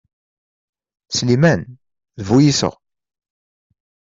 Sliman, d bu iseɣ.